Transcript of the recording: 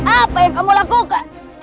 apa yang kamu lakukan